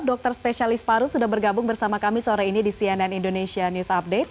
dokter spesialis paru sudah bergabung bersama kami sore ini di cnn indonesia news update